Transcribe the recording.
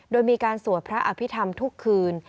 โดยมีการสวดพระอภิษฐรรมทุกคืน